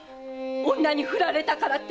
女にふられたからって〕